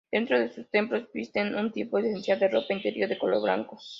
Dentro de sus templos visten un tipo especial de ropa interior de color blanco.